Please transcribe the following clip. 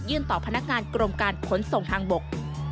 ต่อพนักงานกรมการขนส่งทางบก